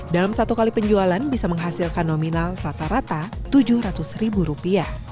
dalam satu kali penjualan bisa menghasilkan nominal rata rata rp tujuh ratus